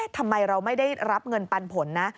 ทำไมเราไม่ได้รับเงินปันผลนะ